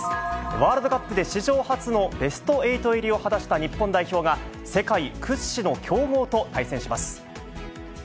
ワールドカップで史上初のベストエイト入りを果たした日本代表が、世界屈指の強豪と対戦します。